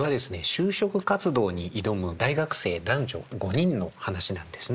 就職活動に挑む大学生男女５人の話なんですね。